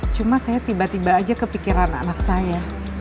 cuma saya tiba tiba aja kepikiran anak saya